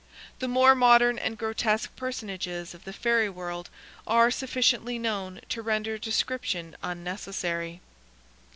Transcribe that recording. The more modern and grotesque personages of the Fairy world are sufficiently known to render description unnecessary.